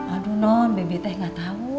aduh non bebiteh gak tau